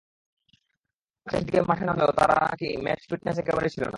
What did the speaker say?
খেলার শেষ দিকে মাঠে নামলেও তাঁর নাকি ম্যাচ-ফিটনেস একেবারেই ছিল না।